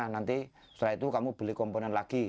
nanti setelah itu kamu beli komponen lagi